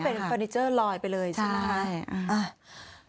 เป็นเฟอร์นิเจอร์ลอยไปเลยใช่ไหม